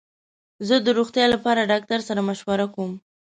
زه د روغتیا لپاره ډاکټر سره مشوره کوم.